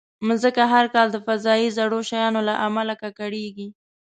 مځکه هر کال د فضایي زړو شیانو له امله ککړېږي.